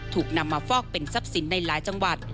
ถูกนำมาฟอกเป็นทรัพย์สินในหลายจังหวัด